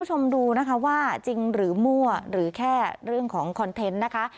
คุณผู้ชมดูนะคะว่าจริงหรือมั่วหรือแค่เรื่องของคอนเทนต์นะคะ